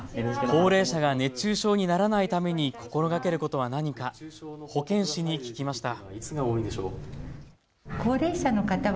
高齢者が熱中症にならないために心がけることは何か保健師に聞きました。